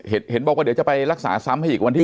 เห็นบอกว่าเดี๋ยวจะไปรักษาซ้ำให้อีกวันที่๑